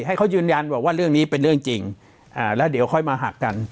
ให้เขายืนยันบอกว่าเรื่องนี้เป็นเรื่องจริงแล้วเดี๋ยวค่อยมาหักกัน